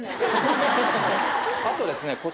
あとですね